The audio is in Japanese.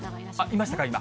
いましたか、今。